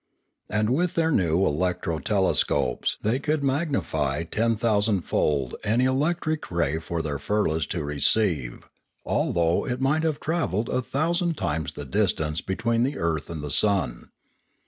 And with their new electro telescopes they could mag nify ten thousandfold any electric ray for their firlas to receive, although it might have travelled a thousand times the distance between the earth and the sun.